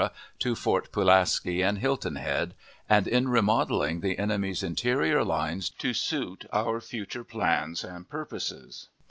to Fort Pulaski and Hilton Head, and in remodeling the enemy's interior lines to suit our future plans and purposes.